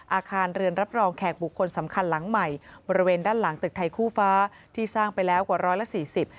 อาคารเรือนรับรองแขกบุคคลสำคัญหลังใหม่บริเวณด้านหลังตึกไทยคู่ฟ้าที่สร้างไปแล้วกว่าร้อยละสี่สิบ